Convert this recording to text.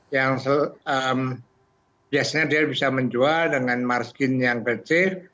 yang biasanya dia bisa menjual dengan margin yang kecil